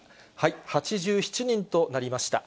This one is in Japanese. ８７人となりました。